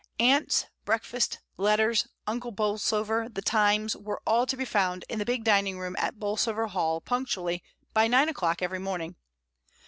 Aunts, breakfast, letters. Uncle Bolsover, the Times, were all to be found in the big dining room at Bolsover Hall punctually by nine o'clock every morning.